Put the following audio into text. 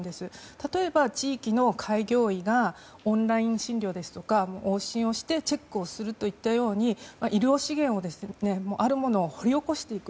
例えば、地域の開業医がオンライン診療ですとか往診をしてチェックをするといったように医療資源をあるものを掘り起こしていく。